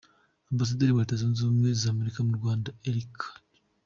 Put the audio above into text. Ambasaderi wa Leta Zunze Ubumwe z’Amerika mu Rwanda Erica J.